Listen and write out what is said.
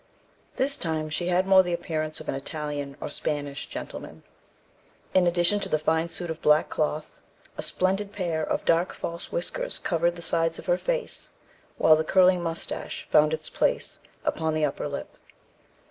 This time she had more the appearance of an Italian or Spanish gentleman. In addition to the fine suit of black cloth, a splendid pair of dark false whiskers covered the sides of her face, while the curling moustache found its place upon the upper lip.